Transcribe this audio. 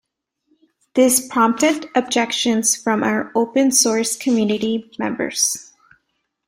This prompted objections from open source community members.